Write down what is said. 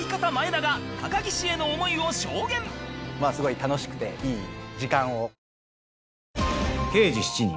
まあすごい楽しくていい時間を。